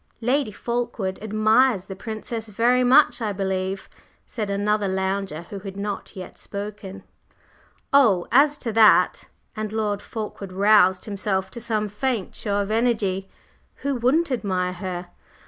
"Lady Fulkeward admires the Princess very much, I believe?" said another lounger who had not yet spoken. "Oh, as to that!" and Lord Fulkeward roused himself to some faint show of energy. "Who wouldn't admire her?